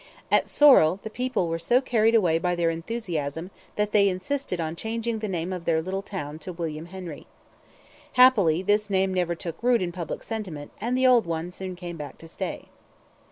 At Sorel the people were so carried away by their enthusiasm that they insisted on changing the name of their little town to William Henry. Happily this name never took root in public sentiment and the old one soon came back to stay.